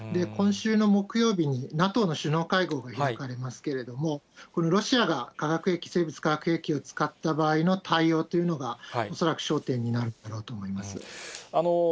今週の木曜日にＮＡＴＯの首脳会合が開かれますけれども、このロシアが化学兵器、生物化学兵器を使った場合の対応というのが、恐らく焦点になるだろうと思います。